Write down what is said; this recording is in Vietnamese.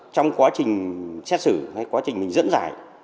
trong quá trình xét xử hay quá trình mình dẫn giải